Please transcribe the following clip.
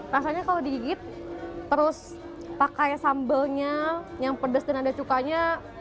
rasanya kalau digigit terus pakai sambelnya yang pedas dan ada cukanya